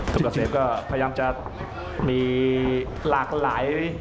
สุกเกษตรก็พยายามจะมีหลากหลาย